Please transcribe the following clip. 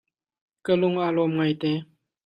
Ka lung aa lawm ngaite.